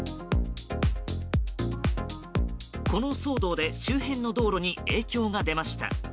この騒動で周辺の道路に影響が出ました。